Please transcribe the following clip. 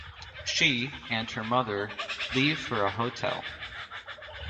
She and her mother leave for a hotel.